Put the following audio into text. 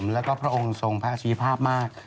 แล้วก็พระองค์ทรงพระอาชีภาพมาก